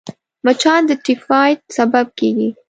مچان د تيفايد سبب کېږي